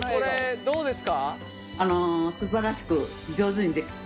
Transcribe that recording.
どうですか？